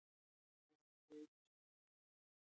دوی وویل چې دښمن تار په تار سو.